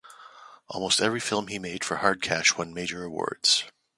Almost every film he made for Hardcash won major awards.